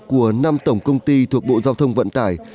của năm tổng công ty thuộc bộ giao thông vận tải